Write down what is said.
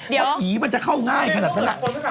เพราะผีมันจะเข้าง่ายขนาดนั้น